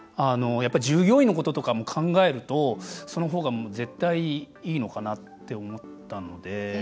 従業員のこととかも考えるとそのほうが絶対いいのかなって思ったので。